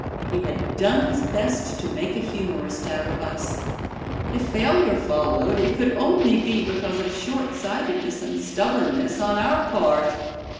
He had done his best to make a humorist out of us. If failure followed it could only be because of shortsightedness and stubbornness on our part.